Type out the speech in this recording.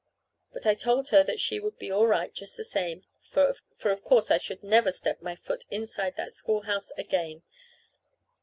But I told her that she would be all right, just the same, for of course I should never step my foot inside of that schoolhouse again.